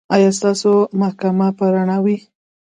ایا ستاسو محکمه به رڼه وي؟